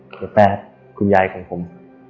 คุณแป๊ดคุณยายของผม